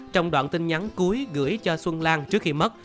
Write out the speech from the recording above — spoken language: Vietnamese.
trong đoạn tin nhắn cuối gửi cho xuân lan trước khi mất